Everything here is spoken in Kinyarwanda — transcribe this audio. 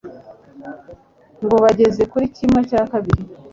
ngo bageze kuri kimwe cya kabiri